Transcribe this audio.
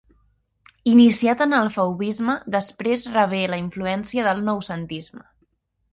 Iniciat en el fauvisme, després rebé la influència del noucentisme.